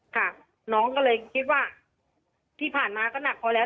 ค่ะน้องก็เลยคิดว่าที่ผ่านมาก็หนักพอแล้ว